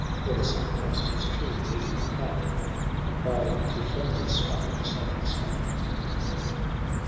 Ere the sun crost his true meridian flight He by Teuthrone struck the southern strand.